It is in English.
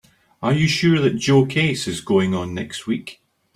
Are you sure that Joe case is going on next week?